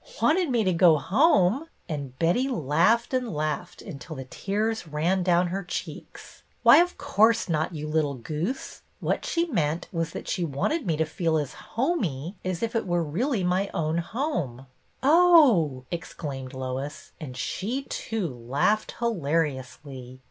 "Wanted me to go home!" and Betty laughed and laughed until the tears ran down her cheeks. " Why, of course not, you little goose. What she meant was that she wanted me to feel as ' homey ' as if it were really my own home." " Oh 1 " exclaimed Lois, and she too laughed hilariously.